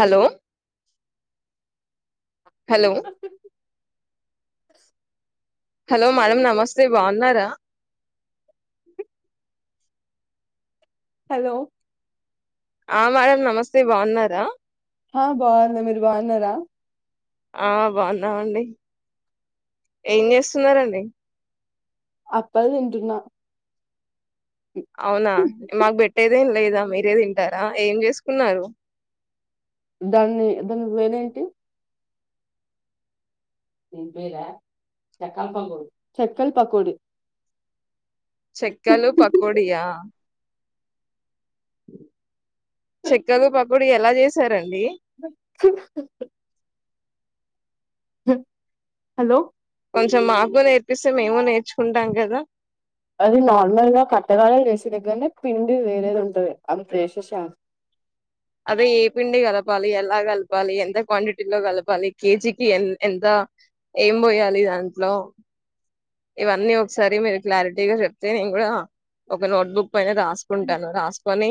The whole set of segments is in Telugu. హలో హలో అ హలో మేడం నమస్తే బాగున్నారా హలో ఆ మేడం నమస్తే బాగున్నారా? హా బాగున్నారు మీరు బాగున్నారా? ఆ బాగున్నావండి ఏం చేస్తున్నరండి. అప్పల తింటన్నా అవునా మగ్ బెట్టదేం లేదా మీరే తింటారా ఏం చేసుకున్నారు? దాన్ని దాని పేర ఎంటి దిన్ పేరా చక్కల్ పకోడి చక్కల్ పకోడి చెక్కలు పకోడియా ఉ చెక్కలు పకోడి ఎలా చేసి సరే అండి హు హు హు హు హలో కొంచెం మాకు నేర్పిస్తే మేమో నేర్చుకుంటాం కదా అది నోర్మల్గా కట్టగాల చెస్దేధాగర్రా నే పిండి వేరేదిండ అ ప్రేషించా అదే ఏ పిండి కలపాలి ఎలా కలపాలి ఎంత క్వాంటిటీ లో కలపాలి కేజీకి ఎ ఎంత ఏం పోయాలి దాంట్లో ఇవన్నీ ఒకసారి మీరు క్లారిటీగా చెప్తే నేను కూడా ఒక నోట్బుక్ ప రాసుకుంటాను రాసు పని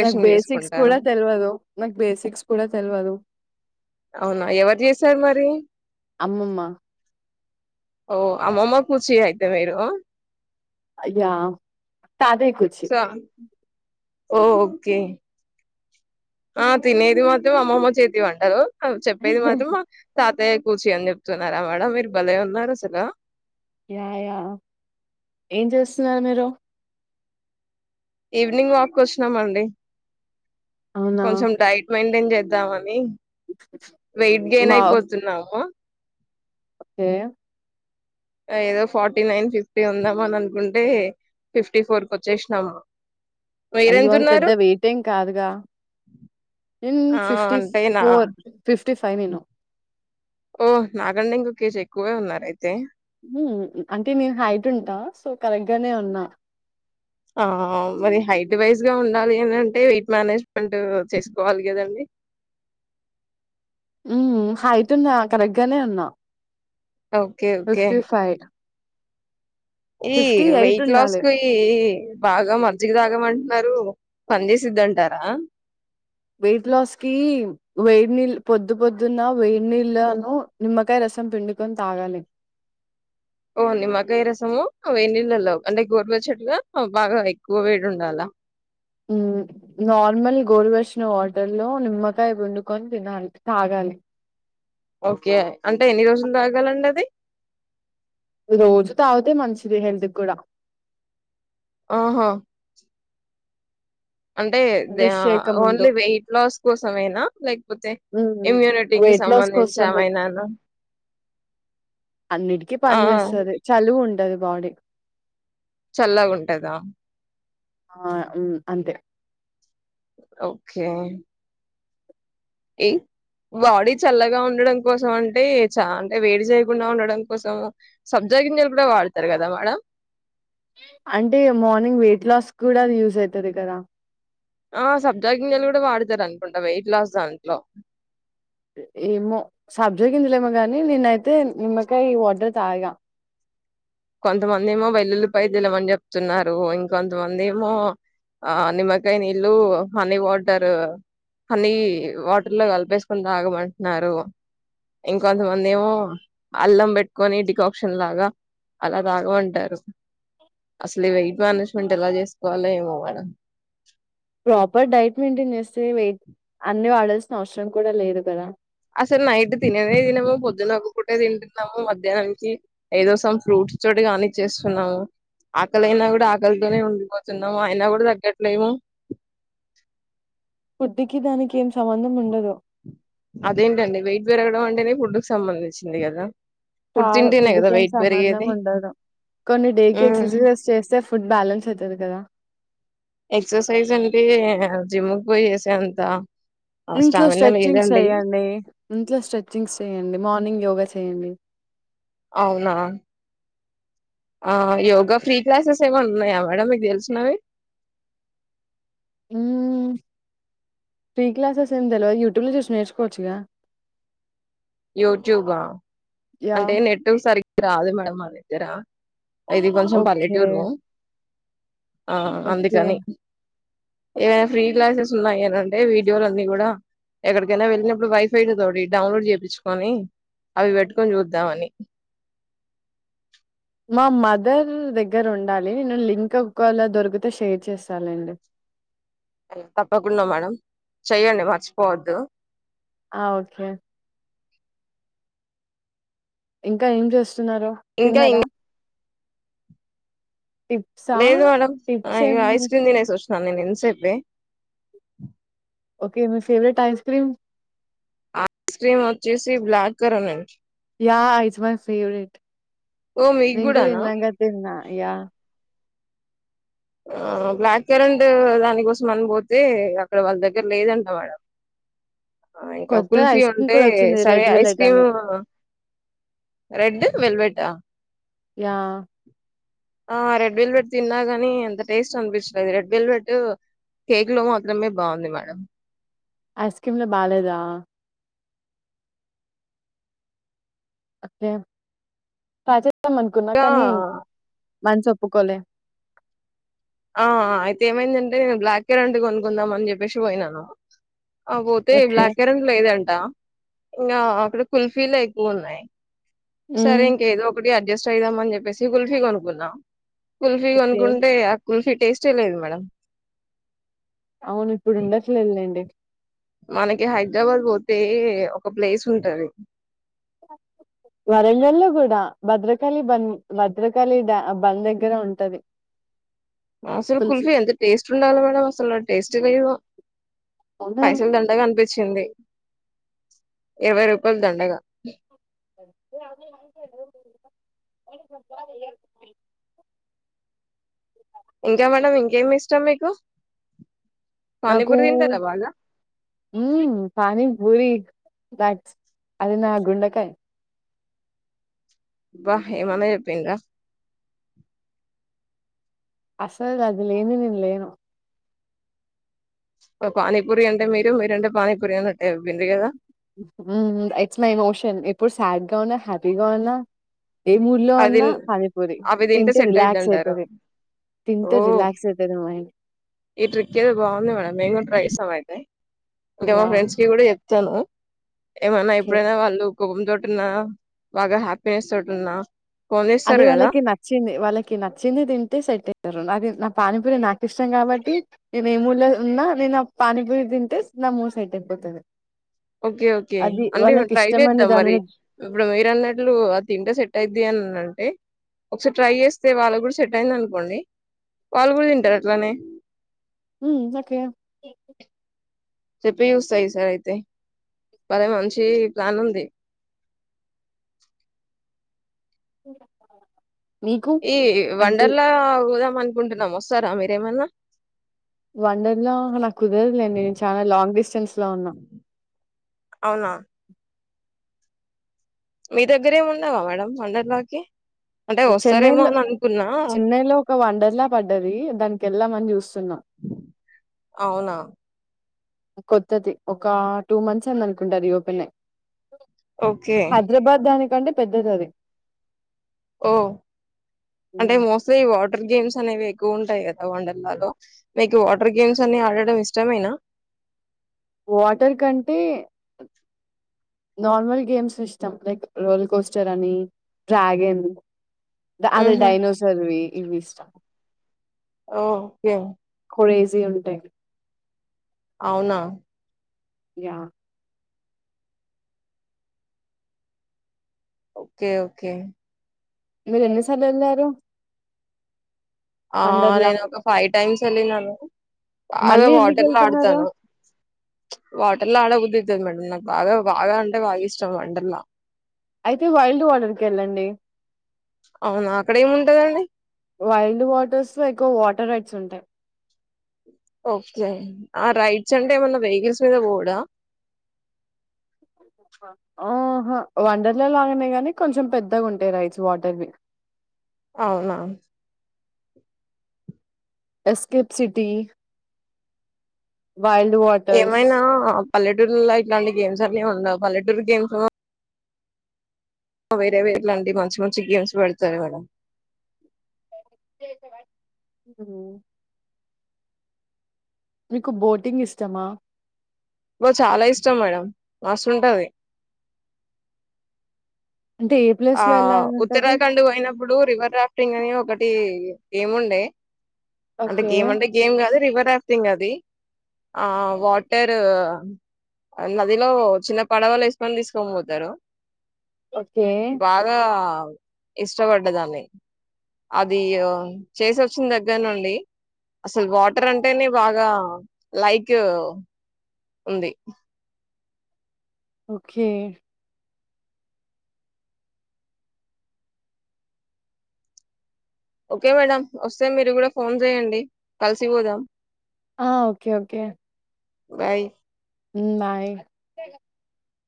నాకు బేసిక్స్ కూడా తెలియదు నాకు బేసిక్స్ కూడా తెలియదు అవునా ఎవరు చేశారు మరి అమ్మమ్మ ఓ ఆమ మా ఖుషి అయితే మీరు అయ్యా తాదకుచి సో ఓ ఓకే ఆ తినేది మాత్రం అమ్మమ్మ చేతివి అంటారు అ చెప్పేది మాత్రమా తాతయ్య కూర్చి అని చెప్తున్నారా మేడ మీరు భలే ఉన్నారు అసలు యాయా ఏం చేస్తున్నారు మీరు ఈవినింగ్ వాక్ వచ్చినామండి అవునా కొన్సెం డైట్మెట్ ేం చేద్దామని వెయిట్ గెయిన్ వావ్ అయిపోతున్నావు ఓకే ఏదో ఫార్టీ నైన్ ఫిఫ్టీ ఉందామ అని అనుకుంటే ఫిఫ్టీ ఫోర్ క వచ్చేసినాము అయ్యోళ పెద్ద మీరెంతున్నారు వెయిట్ ఏం కాదుగా ఇన్ ఆ ఫిఫ్టీ అంటేనా ఫోర్ ఫిఫ్ ఫైవన్ను ఓ నాగండ ఇంకకేష్ ఎక్కువే ఉన్నారు అయితే అంటే నేను హైట్ ఉంటా సో కరెక్ట్ గానే ఉన్నా ఆ మరి హైట్ వైజ్గా ఉండాలి అనింటే వెయిట్ మేనేజ్మెంట్ చేసుకోవాలి కదండి ఉ హైట్ ఉన్నా కరెక్ట్ గానే ఉన్నా ఓకే ఓకే ఈ వెయిట్ లాస్ ఉండాలి. కు ఈ బాగా మజ్జిగ తాగమంటున్నారు పని చేసిద్దంటారా వెయిట్ లాస్ కి వెయిడి నీళ్ళ పొద్దు పొద్దున్న వేడి నీళ్ళలను నిమ్మకాయ రసం పిండుకొని తాగాలి ఓ నిమ్మకాయ రసము వ నళ్ళలో అంటే గోరవ చెట్గా బాగా ఎక్కువ వేడి ఉండాల నార్మల్ గోరువషిన వాటర్ లో నిమ్మకాయ వుండుకొని తినాలి తాగాలి ఓకే అంటే ఎన్ని రోజులు తాగాలండి అది రోజు తావాతే మంచిది హెల్త్ కూడా ఆహా అంటే బ్రష్ చేయకముందు. ఓన్లీ వెయిట్ లాస్ కోసమైనా లైక్ వెయిట్ లాస్ కు వస్తుంది ఏమైనానా? అన్నిటికీ ఆ! పని ఆ! చేేస్తుంది చలువు ఉంటంది ది బాడీ చల్లగుంటాదా ఆ హు అంతే ఓకే ఈ బాడీ చల్లగా ఉండడం కోసం అంటే చ అంటే వేడి చేయకుండా ఉండడం కోసం సబ్జా గింజలు కూడా వాడతారు కదా మేడమ్ అంటే మార్నింగ్ వెయిట్ లాస్ కూడా అది యూజ్ అయితది కదా ఆ సబ్జా గింజలు కూడా వాడతారు అనుకుంటా వెయిట్ లాస్ దాంట్లో ఏమో సబ్జా గింజలు ఏమోగానీ నేనైతే నిమ్మకాయ్ వాటర్ తాగా కొంతమంది ఏమో వెల్లులిపాయ్ తినమని చెప్తున్నారు ఇంకొంతమంది ఏమో ఆ నిమ్మకాయ నీళ్ళు హనీ వాటర్ హనీ వాటర్ లో కలిపేసుకొని తాగమంటున్నారు ఇంకొంతమంది ఏమో అల్లం పెట్టుకొని డికాక్షన్ లాగా అలా తాగమంటారు అసలు ఈ వెయిట్ మేనేజ్మెంట్ ఎలా చేసుకోవాలో ఏమో ఆడా ప్రాపర్ డైట్ మెయింటైన్ చేస్త్ మే అన్ని వాడాల్సిన అవసరం కూడా లేదు కదా అసలు నైట్ తినేనే తినవు పొద్దున ఒక పూట తింటున్నావు మధ్యానుంచి ఏదో సం ఫ్రూట్స్ చోటి కానిచ్చేస్తున్నాము ఆకలియినా కూడా ఆకలితోనే ఉండిపోతున్నావు అయినా కూడా తంగట్లేవు ఫుడికి దానికి ఏం సంబంధం ఉండదు అదేంటండి వెయిట్ పెరగడం అంటేనే ఫుడుకి సంబంధించింది కదా ఫుడ్ కాదు తింటేనే కదా ఫుడక్ ఏం వెయిట్ సంబంధం పెరిగేది ఉండదు కొన్ని డేకి ఉమ్ ఎక్ససిజస్ చేస్తే ఫుడ్ బ్యాలెన్స్ అయితాది కదా ఎక్ససైజ్ అంటే జిముకి పోయి చేసే అంత ఇంట్లో స్టామినా స్ట్రెచింగ్స్ లేదండి చేయండి ఇంట్లో స్ట్రెచింగ్స్ చేయండి మార్నింగ్ యోగా చే యండి అవునా ఆ యోగా ఫ్రీ క్లాసెస్ ఏమైనా ఉన్నాయా మేడం మీకు తెలిసినవి హు ఫ్రీ క్లాసెస్ ఏం తెల్వయ్ యూట్యూబ్ లో చూసి నేర్చుకోవచ్చుగా యూట్యూబా అంటే యాహ్! నెట్ సరిగ్ రాదు మేడం అది జెరా ఇది కొంచం ఓకే. పల్లెటూరు ఆ ఓకే. అందుకని ఏవైనా ఫ్రీ క్లాసెస్ ఉన్నాయని అంటే వీడియోలు అన్ని కూడా ఎక్కడికైనా వెళ్ళినప్పుడు వైఫైడ్ తోటి డౌన్లోడ్ చేపించుకొని అవి పెట్టు కొని చూద్దామని మా మదర్ దగ్గర ఉండాలి నేను లింకప్ కాల్ లో దొరికితే షేర్ చేస్తాలెండి తప్పకుండా మేడం చేయండి మర్చిపోవద్దు ఆ ఒకే అండి ఇంకా ఏం చేస్త్ స్తున్నారు ఇంకా ఇం తిన్నారా టిప్సా? లేదు మేడంమ్ టిప్స్ అయో ఏం ఐస్ క్రీమ్ తినేసి వస్తు న్నీ నేను ఇన్ సేపే ఒకే మీ favourite ice cream ice cream వచ్చేసి black currant yeah is my favourite ఓ మీకు నేను కూడా కూడానా ఇందాక తిన్న యా ఆ బ్లాక్ కరెంట్ దానికోసం అన్ని పోతే అక్కడ వాళ్ళ దగ్గర లేదంట మేడం ఆ ఇంకా కొత్త కుల్ఫీ ఐస్ క్రీమ్ ఉంటే కూడా వచ్చింది. సరే రెడ్ ఐస్ వెల్వెట్ అని. క్రీము రెడ్ వెల్వెట్ ఆ యా ఆ రెడ్ విల్వేట్ తిన్నగనీ టేస్ట్ అనిపించలేది రెడ్ వెలవేట్టు కేక్ లో మాత్రమే బాగుంది మేడం ఐస్ క్రీమ్ లో బాలేదా ఓకే పచే ఇద్దాం అనుకున్నా ఇంకా కానీ మంచి ఓప్పుకోలే ఆ అయితే ఏమైందంటే నేను బ్లాక్ కేర్ అంటివి కొనుకుందాం అని జెప్పేసి పోయినను ఆ పోతే ఓకే. బ్లాక్ కరెంట్ లేదంటా ఇంగా అక్కడ కుల్ఫీ లే ఎక్కువున్నాయి సరే హ్మ్. ఇంక ఏదో ఒకటి అడ్ అడ్జస్ట్ అయిదామని చెప్పేసి కుల్ఫీ కొనుకున్నా కుల్ఫి ఓకే. కొనుకుంటె ఆ కుల్ఫీ టేస్ట్ ఏ లేదు మేడం అవును ఇప్పుడు ఉండట్లేదు లేండి మనకి హైదరాబాద్ పోతే ఒక ప్లేస్ ఉంటది వరంగల్ లో కూడా భద్రకాళీ బండ్ భద్రకాళి డా బండ్ దగ్గర ఉంటది అసలు తులసి కుల్ఫీ ఎంత టేస్ట్ ఉండాలి మేడం అసలు టేస్ట్ గొ ఇవా అవునా పైసల్ దండగా అనిపించింది ఇరవై రూపాయలు దండగా [unintelligible] ఇంకా మేడం, ఇంకేమి ఇష్టం మీకు నాకు, పానీపూరి తింటారా బాగా మ్మ్ పానీ పూరి దట్స్, అది నా గుండెకాయ్ వాహ్ ఏమన్న చెప్పిండ్రా అసలు అది లేంది నేను లేను బ్బా పానీపూరి అంటే మీరు మీరంటే పానీపూరి అనిట్టే చెప్పిర్రు కదా మ్మ్ మ్మ్ ఇట్స్ మై ఇమోషన్ ఎప్పుడు సాడ్గా ఉన్నా హ్యాపీగా ఉన్నా ఏ మూడ్ లో ఉన్నా అదిన్ పానీపూరి అవి తింటే సెట్ రిలాక్స్ అయిదంటారు, అయితది తింటే ఓ రిలాక్స్ అయితది మైండ్ ఈ ట్రిక్ ఏదో బాగుంది మేడం మేము కూడా ట్రై చేస్తాం అయితే ఇంక మా ఫ్రెండ్స్ యా కి కూడా చెప్ తనా ఏమన్నా ఎప్పుడైనా వాళ్ళు కోపం తోటి ఉన్నా బాగా హ్యాపీనెస్ తోటి ఉన్నా అదే వాళ్ళకి నచ్చింది వాళ్ళకి నచ్చింది తింటే సెట్ అయితరు అది నకి నా పానీపూరి నాకు ఇష్టం కాబట్టి నేను ఏ మూడ్లో ఉన్నా నేను పానీపూరి తింటే నా మూడ్ సెట్ అయిపోతుంది ఓకే ఓకే అంటే ట్రై ఇష్టమైన చేద్దాం మరి దానిని ఇప్పుడు వ [unintelligible] ఆ తింటే సెట్ అయ్యిది అని అంటే ఒకసారి ట్రై చేస్తే వాళ్ళు కూడా సెట్ అయ్యింది అనుకోండి వాళ్ళు కూడా తింటారు అట్లానే ఉ ఒకే చెప్పి చూస్తా ఈసారి అయితే మరి మంచి ప్లాన్ ఉంది మీకు ఈ అంటే వండర్లా పోదాం అనుకుంటున్నాం వస్తారా మీరేమన్నా? వండర్లా నాకు కుదరదండి నేను చాలా లాంగ్ డిస్టెన్స్ లో ఉన్నా అవునా? మీ దగ్గరా ఏమి ఉండవా మేడమ్ వండర్లాకి చెన్నైలో చెన్నైలో ఒక వండర్లా పడ్డది దానికి వెళ్ళామని చూస్తున్నాం అవునా? కొత్తది ఒక టూ మంత్స్ అయింది అనుకుంటా రీ ఓపెన్ అయ్ ఓకే. హైదరాబాద్ దానికి కంటే పెద్దది అది ఓ అంటే మోస్ట్లీ వాటర్ గేమ్స్ అనేవి ఎక్కువ ఉంటాయి కదా వండర్లాలో మీకు వాటర్ గేమ్స్ అన్ని ఆడడం ఇష్టమేనా వాటర్ కంటే నార్మల్ గేమ్స్ ఇష్టం లైక్ రోల్ కోస్టర్ అని డ్రాగన్ అదే హుహు. డైనోసర్వివి ఇవి ఇష్టం ఓ ఓకే క్రేజీ ఉంటాయి అవునా య ఓకే ఓకే మీరు ఎన్నిసార్లు వెళ్ళారు ఆ నేను ఒక ఫైట్ టైమ్స్ అన్ని నాకు బాగా మళ్ళీ వాటర్లా ఎందుకెళ్తున్నారు? ఆడుతాను వాటర్లా ఆడ బుద్ధి ఆంటే మేడం నాకు బాగా బాగా అంటే బాగా ఇష్టం వంటర్లా అయితే వైల్డ్ వాటర్కి వెళ్ళండి అవునా అక్కడ ఏమింటదండి వైల్డ్ వాటర్స్ లో ఎక్కువ వాటర్ రైట్స్ ఉంటాయి ఓకే ఆ రైడ్స్ అంటే ఏమన్నా వెహికల్స్ మీద పోవుడ ఆహా వండర్ల లాగానే గానీ కొంచెం పెద్దగా ఉంటాయి రేడ్స్ వాటర్వి అవునా ఎస్స్కెప్ సిటీ వైల్డ్ వాటర్స్. ఏమైనా పల్లెటూరులో ఇట్లాంటి గేమ్స్ అనేవి ఉండవు పల్లెటూరు గేమ్స్ వేరే వేరేలాంటి మంచి మంచి గేమ్స్ పెడతారు మేడం హ్మ్మ్ మీకు బోటింగ్ ఇష్టమా బో చాలా ఇష్టం మేడం మస్తుంటది అంటే ఏ ఆ ప్లేస్‌లో ఎళ్ళాలని ఉంటది? ఉత్తరాఖండ్ పోయినప్పుడు రివర్ రాఫ్టింగ్ అని ఒకటి ఏముండే అంటే ఓకే. గేమ్ అంటే గేమ్ కాదు రివర్ రాఫ్టింగ్ అది ఆ వాటర్ నదిలో చిన్న పడవలు వేసుకని తీసుకని పోతారు. ఒ బాగా ఇష్టపడ్డదాన్ని అది చేసొచ్చిన దగ్గర నుండి అసలు వాటర్ అంటేనే బాగా లైక్ ఉంది ఓకే ఓకే మేడం వస్తే మీరు కూడా ఫోన్ చేయండి కలిసి పోదాం ఆ okay okay bye hmm bye